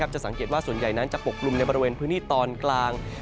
จะสังเกตว่าส่วนใหญ่นั้นจะปกลุ่มในบริเวณพื้นที่ตอนกลาง